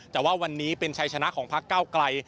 แต่ว่าวันนี้เป็นชัยชนะของพักเก้าไกล